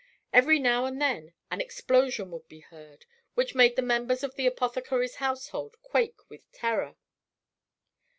Every now and then an explosion would be heard, which made the members of the apothecary's household quake with terror.